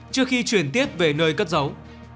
trước khi chuyển tiếp về nơi cất giấu